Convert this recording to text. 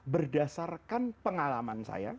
berdasarkan pengalaman saya